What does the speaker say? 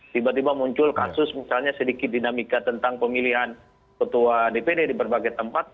tiba tiba muncul kasus misalnya sedikit dinamika tentang pemilihan ketua dpd di berbagai tempat